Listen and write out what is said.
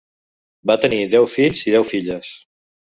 Va tenir deu fills i deu filles.